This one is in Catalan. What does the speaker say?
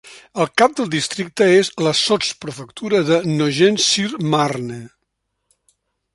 El cap del districte és la sotsprefectura de Nogent-sur-Marne.